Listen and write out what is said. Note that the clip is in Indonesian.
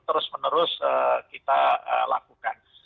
terus menerus kita lakukan